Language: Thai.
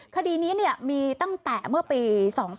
คดีนี้มีตั้งแต่เมื่อปี๒๕๕๘